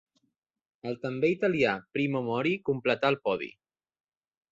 El també italià Primo Mori completà el podi.